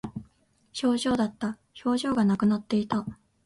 表情だった。表情がなくなっていた。